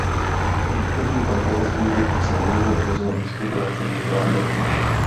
Východní partnerství by se nemělo omezovat na spolupráci mezi vládami.